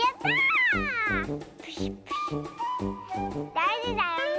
だいじだよね。